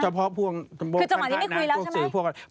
เฉพาะพวกคันห้าหน้า